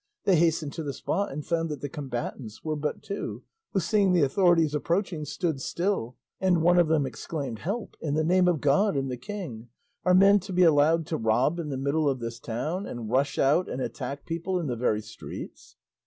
They hastened to the spot, and found that the combatants were but two, who seeing the authorities approaching stood still, and one of them exclaimed, "Help, in the name of God and the king! Are men to be allowed to rob in the middle of this town, and rush out and attack people in the very streets?"